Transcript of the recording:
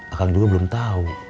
akang juga belum tau